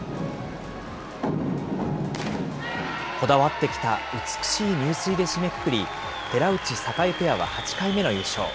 こだわってきた美しい入水で締めくくり、寺内・坂井ペアは８回目の優勝。